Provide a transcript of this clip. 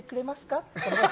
って。